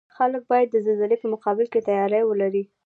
خلک باید د زلزلې په مقابل کې تیاری ولري